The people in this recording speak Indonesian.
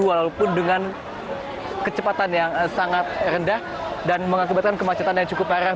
walaupun dengan kecepatan yang sangat rendah dan mengakibatkan kemacetan yang cukup parah